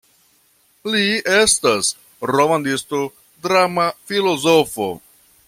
Li estas romanisto, drama filozofo.